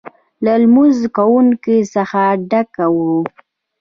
له لمونځ کوونکو څخه ډک و.